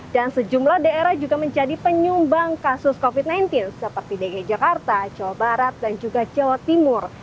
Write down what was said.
dan sejumlah daerah juga menjadi penyumbang kasus covid sembilan belas seperti dg jakarta jawa barat dan juga jawa timur